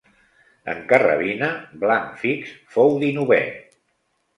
En carrabina, blanc fix fou dinovè.